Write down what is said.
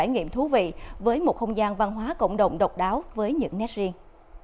trải nghiệm thú vị với một không gian văn hóa cộng đồng độc đáo với những nét riêng